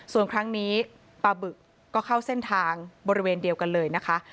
ส่วนครั้งนี้ปลาบึกก็เข้าเส้นทางบริเวณเดียวกันเลยนะคะ